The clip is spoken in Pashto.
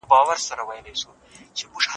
کمپيوټر د تعليمي پروژو بشپړول په چټکۍ سره اسانوي.